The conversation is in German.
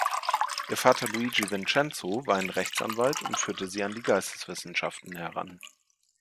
Ihr Vater Luigi Vincenzo war ein Rechtsanwalt und führte sie an die Geisteswissenschaften heran.